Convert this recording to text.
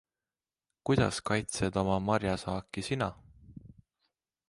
Kuidas kaitsed oma marjasaaki sina?